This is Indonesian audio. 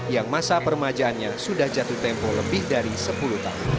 yang masa permajaannya sudah jatuh tempo lebih dari sepuluh tahun